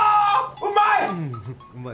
うまい！